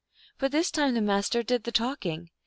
But this time the Master did the talking.